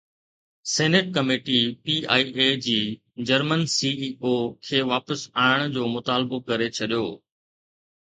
senate committee P I A جي German C E O کي واپس آڻڻ جو مطالبو ڪري ڇڏيو